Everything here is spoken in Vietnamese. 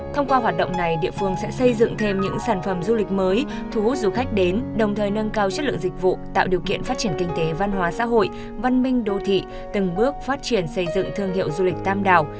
thông qua hoạt động này địa phương sẽ xây dựng thêm những sản phẩm du lịch mới thu hút du khách đến đồng thời nâng cao chất lượng dịch vụ tạo điều kiện phát triển kinh tế văn hóa xã hội văn minh đô thị từng bước phát triển xây dựng thương hiệu du lịch tam đảo